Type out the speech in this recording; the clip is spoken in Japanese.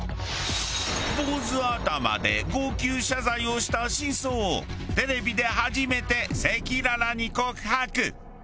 坊主頭で号泣謝罪をした真相をテレビで初めて赤裸々に告白。